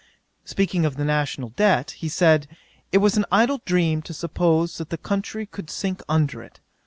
'Speaking of the national debt, he said, it was an idle dream to suppose that the country could sink under it.